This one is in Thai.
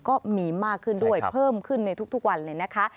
ก็มีมากขึ้นด้วยเพิ่มขึ้นในทุกวันเลยนะคะ